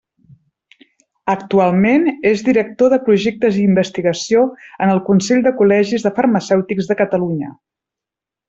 Actualment és director de Projectes i Investigació en el Consell de Col·legis de Farmacèutics de Catalunya.